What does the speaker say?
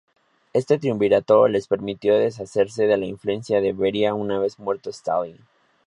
Este triunvirato les permitió deshacerse de la influencia de Beria una vez muerto Stalin.